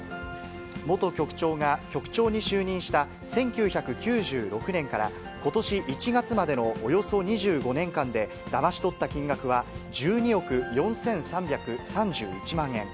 元局長が局長に就任した１９９６年から、ことし１月までのおよそ２５年間で、だまし取った金額は１２億４３３１万円。